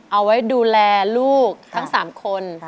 เอาไว้ดูแลลูกทั้ง๓คน